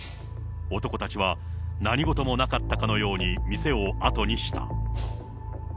男たちは何事もなかったかのように、店を後にした。